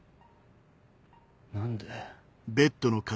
何で。